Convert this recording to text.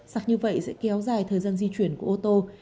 sặc như vậy sẽ kéo dài thời gian di chuyển của ô tô